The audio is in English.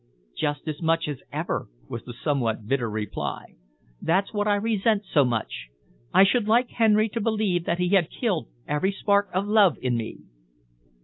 "Just as much as ever," was the somewhat bitter reply. "That's what I resent so much. I should like Henry to believe that he had killed every spark of love in me."